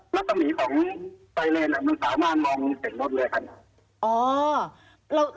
ว่ารถมีของไฟเลนมันสามารถมองเห็นรถเลยค่ะ